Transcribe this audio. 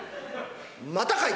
またかい！